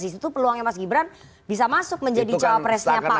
disitu peluangnya mas gibran bisa masuk menjadi cawapresnya pak prabowo kita dengar